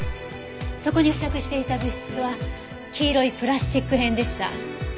そこに付着していた物質は黄色いプラスチック片でした。